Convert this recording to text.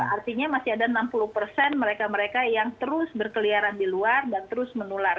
artinya masih ada enam puluh persen mereka mereka yang terus berkeliaran di luar dan terus menular